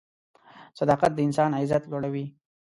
صداقت د انسان عزت لوړوي.